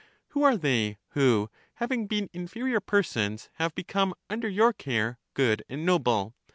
Who are they who, having been inferior persons, have be come under your care good and noble?